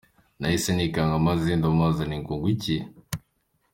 Nahise nikanga maze ndamubaza nti ngo ngw’iki?